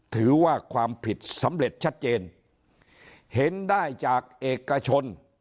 ถือว่าความผิดสำเร็จชัดเจนเห็นได้จากเอกชน